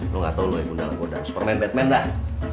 lo gak tau lo ya gundala godam superman batman dah